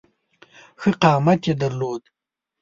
ښه قامت یې درلود.